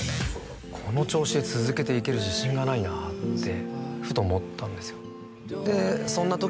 「この調子で続けていける自信がないな」ってふと思ったんですよ